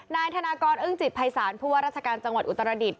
นายธนากรอึ้งจิตภัยศาลผู้ว่าราชการจังหวัดอุตรดิษฐ